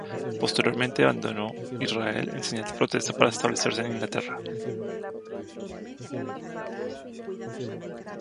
Posteriormente, abandonó Israel en señal de protesta, para establecerse en Inglaterra.